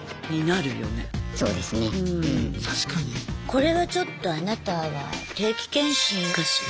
これはちょっとあなたは定期検診かしら。